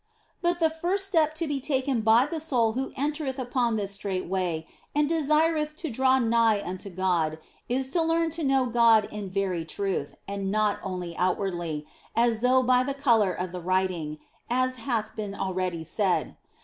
But the first step to be taken by the soul who entereth upon this straight way and desireth to draw nigh unto God is to learn to know God in very truth, and not only outwardly, as though by the colour of the writing (as 136 THE BLESSED ANGELA hath been already said).